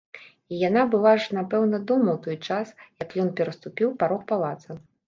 І яна была ж напэўна дома ў той час, як ён пераступіў парог палаца.